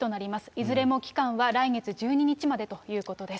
いずれも期間は来月１２日までということです。